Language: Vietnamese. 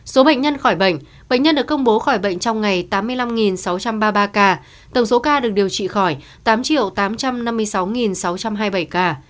số bệnh nhân khỏi bệnh bệnh nhân được công bố khỏi bệnh trong ngày tám mươi năm sáu trăm ba mươi ba ca tổng số ca được điều trị khỏi tám tám trăm năm mươi sáu sáu trăm hai mươi bảy ca